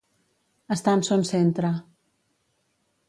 Estar en son centre.